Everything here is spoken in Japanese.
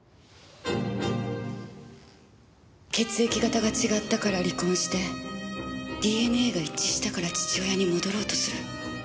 血液型が違ったから離婚してＤＮＡが一致したから父親に戻ろうとする。